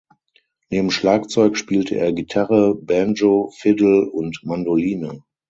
Neben Schlagzeug spielte er Gitarre, Banjo, Fiddle und Mandoline.